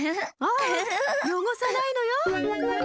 あよごさないのよ。